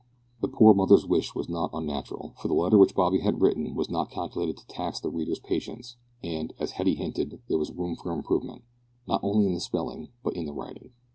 The poor mother's wish was not unnatural, for the letter which Bobby had written was not calculated to tax the reader's patience, and, as Hetty hinted, there was room for improvement, not only in the spelling but in the writing.